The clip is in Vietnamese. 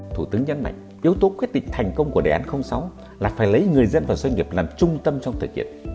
thủ tướng nhấn mạnh yếu tố quyết định thành công của đề án sáu là phải lấy người dân và doanh nghiệp làm trung tâm trong thực hiện